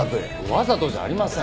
わざとじゃありません。